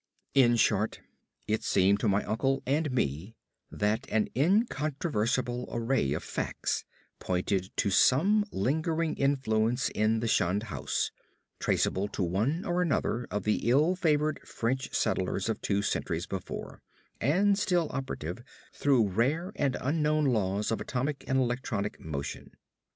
In short, it seemed to my uncle and me that an incontrovertible array of facts pointed to some lingering influence in the shunned house; traceable to one or another of the ill favored French settlers of two centuries before, and still operative through rare and unknown laws of atomic and electronic motion.